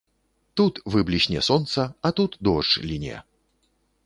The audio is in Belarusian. Тут выблісне сонца, а тут дождж ліне.